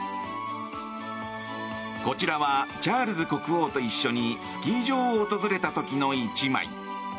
こちらはチャールズ国王と一緒にスキー場を訪れた時の１枚。